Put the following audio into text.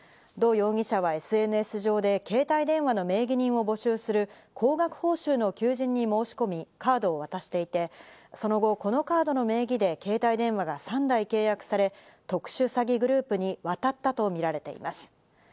ドー容疑者はＳＮＳ上で携帯電話の名義人を募集する高額報酬の求人に申し込み、カードを渡していて、その後、このカードの名義で携帯電話が３台契約され、特殊詐欺グループに渡ったとみられています。